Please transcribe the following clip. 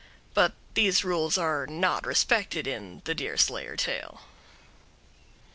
But these rules are not respected in the Deerslayer tale. 10.